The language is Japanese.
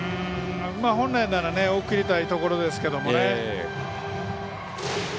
本来なら送りたいところですけどね。